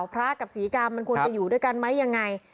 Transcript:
พระกับศรีกรรมมันควรจะอยู่ด้วยกันไหมยังไง